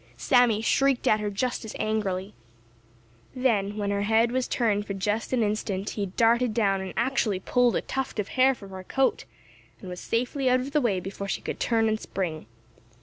Sammy shrieked at her just as angrily. Then, when her head was turned for just an instant, he darted down and actually pulled a tuft of hair from her coat, and was safely out of the way before she could turn and spring.